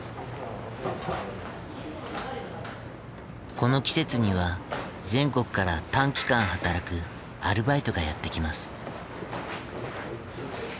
この季節には全国から短期間働くアルバイトがやって来ます。